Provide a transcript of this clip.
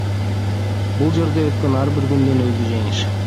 Бул жерде өткөн ар бир күндүн өзү жеңиш.